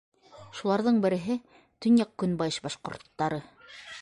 Шуларҙың береһе - төньяҡ-көнбайыш башҡорттары.